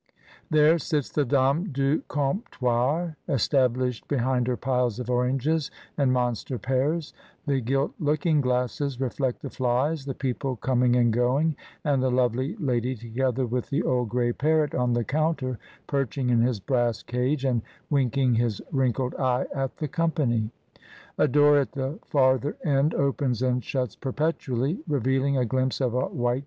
There sits the dame du comptoir established behind her piles of oranges and monster pears; the gilt looking glasses reflect the flies, the people com ing and going, and the lovely lady together with the old grey parrot on the counter, perching in his brass cage, and winking his wrinkled eye at the company. A door at the farther end opens and shuts perpetually, revealing a glimpse of a white 1 88 MRS.